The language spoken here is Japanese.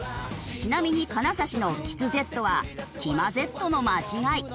ちなみに金指のきつＺはきまＺの間違い。